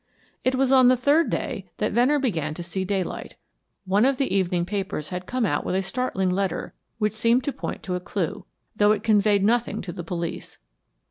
It was on the third day that Venner began to see daylight. One of the evening papers had come out with a startling letter which seemed to point to a clue, though it conveyed nothing to the police.